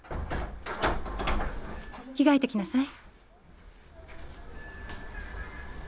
きがえてきなさい。